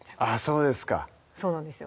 そうですかそうなんですよ